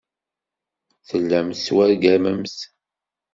Tellamt tettwargamemt.